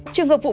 trường hợp vụ án